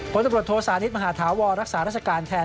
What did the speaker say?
ผลตำรวจโทษานิทมหาธาวรรักษาราชการแทน